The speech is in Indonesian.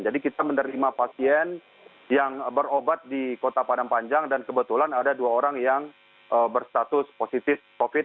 jadi kita menerima pasien yang berobat di kota padang panjang dan kebetulan ada dua orang yang berstatus positif covid